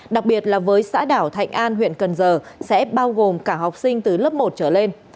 đặc biệt là với xã đảo thạnh an huyện cần giờ sẽ bao gồm cả học sinh từ lớp một trở lên